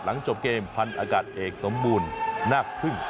หลังจบเกมพันธุ์อากาศเอกสมมุลหน้าพึ่ง